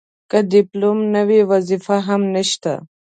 که ډیپلوم نه وي وظیفه هم نشته.